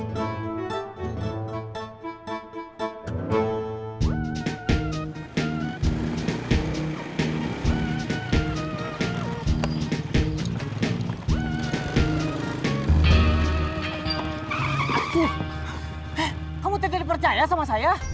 eh kamu tidak dipercaya sama saya